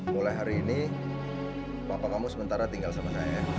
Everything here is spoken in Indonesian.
mulai hari ini bapak kamu sementara tinggal sama saya